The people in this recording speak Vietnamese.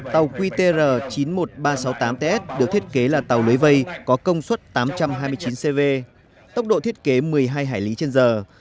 tàu qtr chín mươi một nghìn ba trăm sáu mươi tám ts được thiết kế là tàu lưới vây có công suất tám trăm hai mươi chín cv tốc độ thiết kế một mươi hai hải lý trên giờ